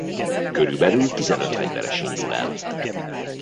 Körülbelül tizenöt fegyveres indul el.